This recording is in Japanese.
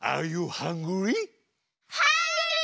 ハングリー！